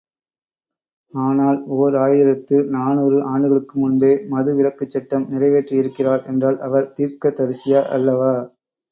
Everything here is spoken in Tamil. ஆனால் ஓர் ஆயிரத்து நாநூறு ஆண்டுகளுக்கு முன்பே மது விலக்குச் சட்டம் நிறைவேற்றியிருக்கிறார் என்றால், அவர் தீர்க்கதரிசியா அல்லவா?